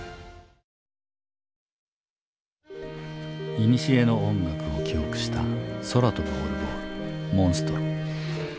いにしえの音楽を記憶した空飛ぶオルゴール「モンストロ」。